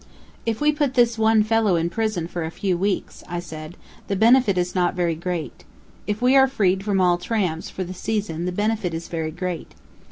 "If we put this one fellow in prison for a few weeks," I said, "the benefit is not very great. If we are freed from all tramps, for the season, the benefit is very great.